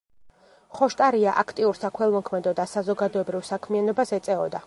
ხოშტარია აქტიურ საქველმოქმედო და საზოგადოებრივ საქმიანობას ეწეოდა.